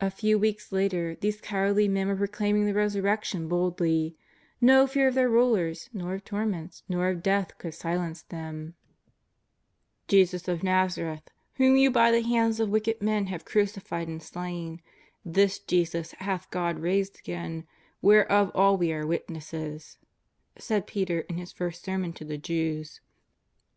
A few weeks later these cowardly men were proclaiming the Resurrection boldly, l^o fear of their rulers nor of torments nor of death could silence them: ^' Jesus of Nazareth, whom you by the hands of \vicked men have crucified and slain — this Jesus hath God raised again, whereof all we are witnesses/' said Peter in his first sermon to the Jews.